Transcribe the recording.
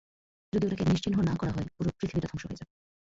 যদি ওটাকে নিশ্চিহ্ন না করা হয়, পুরো পৃথিবীটা ধ্বংস হয়ে যাবে।